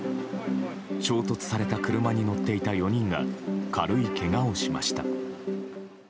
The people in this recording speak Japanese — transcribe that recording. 衝突された車に乗っていた４人が軽いけがをしました。